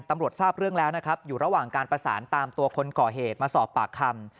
ตำรวจทราบเรื่องแล้วนะครับอยู่ระหว่างการประสานตามตัวคนก่อเหตุมาสอบปากคำ